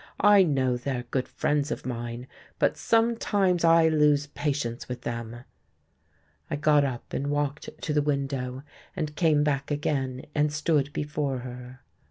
I know they're good friends of mine, but sometimes I lose patience with them." I got up and walked to the window, and came back again and stood before her.